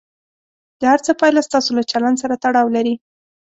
د هر څه پایله ستاسو له چلند سره تړاو لري.